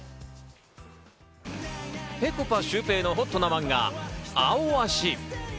ぺこぱ・シュウペイのほっとなマンガ『アオアシ』。